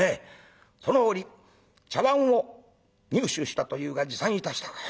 「その折茶碗を入手したというが持参いたしたか？」。